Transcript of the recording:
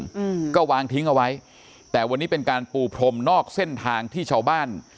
อืมก็วางทิ้งเอาไว้แต่วันนี้เป็นการปูพรมนอกเส้นทางที่ชาวบ้าน